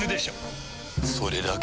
それだけ？